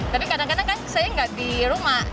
tapi kadang kadang kan saya nggak di rumah